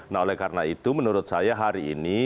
nah oleh karena itu menurut saya hari ini